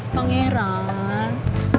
ma bujukin papa dong